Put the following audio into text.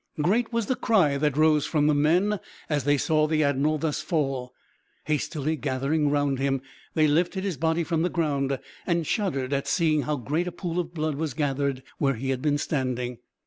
Great was the cry that rose from the men, as they saw the admiral thus fall. Hastily gathering round him, they lifted his body from the ground, and shuddered at seeing how great a pool of blood was gathered where he had been standing.